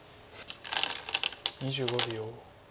２５秒。